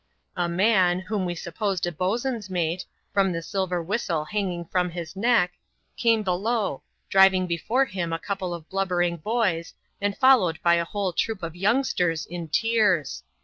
A man, whom we supposed a boatswain's mate, from the silver whistle hanging from his neck, came below, driving before him a couple of blubbering boys, and followed by a whole troop of youngsters in tears.